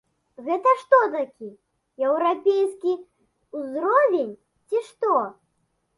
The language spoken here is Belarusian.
Гэта што такі еўрапейскі ўзровень, ці што?